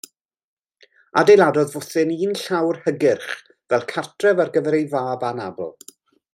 Adeiladodd fwthyn un llawr hygyrch fel cartref ar gyfer ei fab anabl.